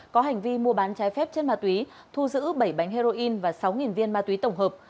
có hành vi mua bán trái phép chất ma túy thu giữ bảy bánh heroin và sáu viên ma túy tổng hợp